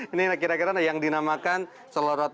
ini kira kira yang dinamakan selorot